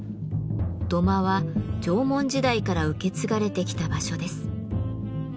土間は縄文時代から受け継がれてきた場所です。